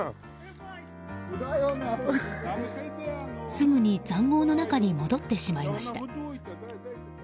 すぐに塹壕の中に戻ってしまいました。